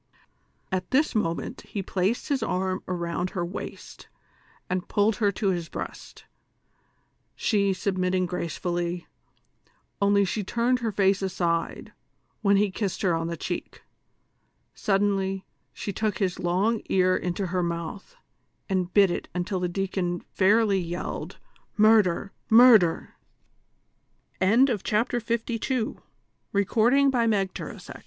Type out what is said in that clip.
At this moment he placed his arm around her waist and pulled her to his breast, she submitting gracefully, only she turned her face aside, when he kissed her on the cheek ; suddenly she took his long ear into her moutli, and bit it until the deacon fairly yelle